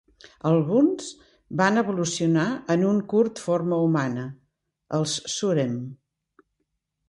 Alguns van evolucionar en un curt forma humana: els Surem.